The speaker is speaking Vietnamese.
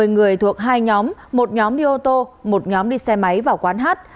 một mươi người thuộc hai nhóm một nhóm đi ô tô một nhóm đi xe máy vào quán hát